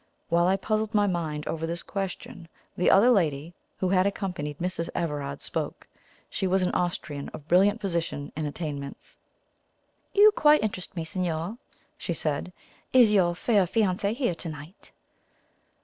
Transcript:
While I puzzled my mind over this question, the other lady who had accompanied Mrs. Everard spoke. She was an Austrian of brilliant position and attainments. "You quite interest me, signor!" she said. "Is your fair fiancee here to night?"